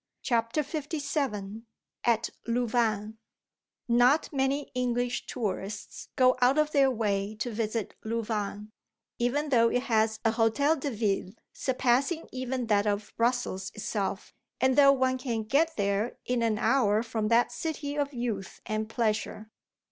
CHAPTER LVII AT LOUVAIN NOT many English tourists go out of their way to visit Louvain, even though it has a Hotel de Ville surpassing even that of Brussels itself, and though one can get there in an hour from that city of youth and pleasure.